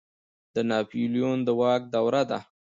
د ناپلیون د واک دوره ده.